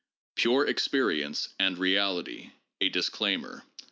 PURE EXPERIENCE AND REALITY: A DISCLAIMER.